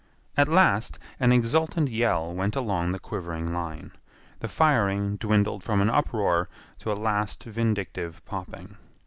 At last an exultant yell went along the quivering line. The firing dwindled from an uproar to a last vindictive popping.